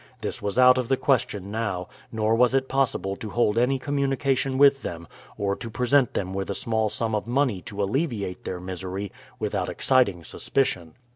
This was out of the question now, nor was it possible to hold any communication with them, or to present them with a small sum of money to alleviate their misery without exciting suspicion.